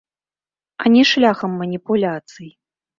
А не шляхам маніпуляцый.